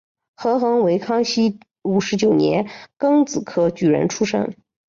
何衢为康熙五十九年庚子科举人出身。